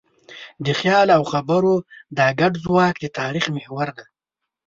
د خیال او خبرو دا ګډ ځواک د تاریخ محور دی.